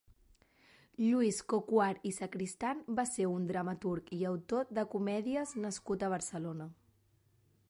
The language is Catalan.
Lluís Coquard i Sacristán va ser un dramaturg i autor de comèdies nascut a Barcelona.